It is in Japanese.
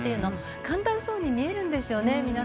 簡単そうに見えるんですよね。